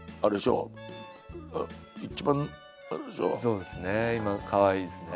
そうですね今かわいいですね。